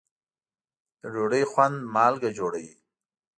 د ډوډۍ خوند مالګه جوړوي.